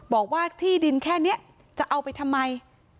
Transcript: บอกว่าที่ดินแค่นี้จะเอาไปทำไม